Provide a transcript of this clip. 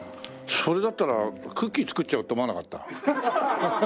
それだったらクッキー作っちゃおうって思わなかった？